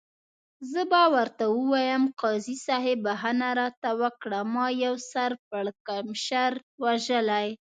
زه به ورته ووایم، قاضي صاحب بخښنه راته وکړه، ما یو سر پړکمشر وژلی.